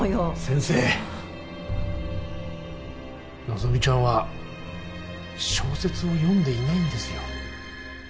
希ちゃんは小説を読んでいないんですよ。